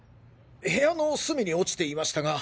部屋の隅に落ちていましたが。